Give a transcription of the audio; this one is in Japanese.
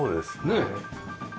ねえ。